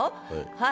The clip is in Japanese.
はい。